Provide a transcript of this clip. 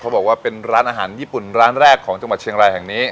บอกว่าเป็นร้านอาหารญี่ปุ่นร้านแรกของจังหวัดเชียงรายแห่งนี้